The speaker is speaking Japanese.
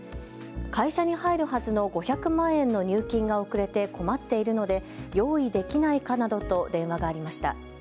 会社に入るはずの５００万円の入金が遅れて困っているので用意できないかなどと電話がありました。